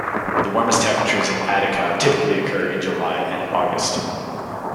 The warmest temperatures in Attica typically occur in July and August.